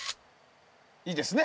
いいですね。